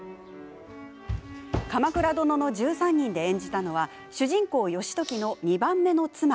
「鎌倉殿の１３人」で演じたのは主人公、義時の２番目の妻。